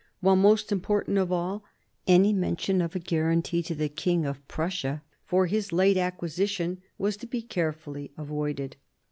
While, moift important of all, any mention of a guarantee to the King of Prussia for his late acquisition was to be carefully avoided.